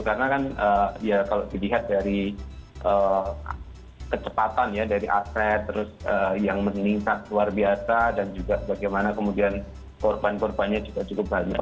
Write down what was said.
karena kan ya kalau dilihat dari kecepatan ya dari aset terus yang meningkat luar biasa dan juga bagaimana kemudian korban korbannya juga cukup banyak